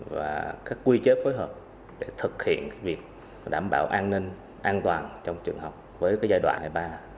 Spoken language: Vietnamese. và các quy chế phối hợp để thực hiện việc đảm bảo an ninh an toàn trong trường học với giai đoạn ngày ba hai mươi tám